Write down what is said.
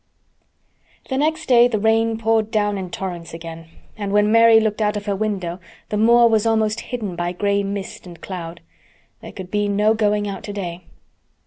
The next day the rain poured down in torrents again, and when Mary looked out of her window the moor was almost hidden by gray mist and cloud. There could be no going out today.